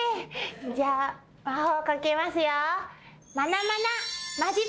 じゃあ魔法かけますよ。